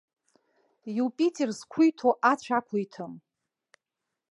Иупитер зқәиҭу ацә ақәиҭым.